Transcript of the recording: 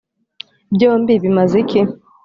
byombi bimaze iki?